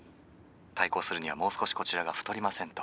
対抗するにはもう少しこちらが太りませんと」。